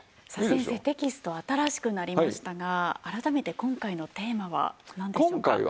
さあ先生テキスト新しくなりましたが改めて今回のテーマはなんでしょうか？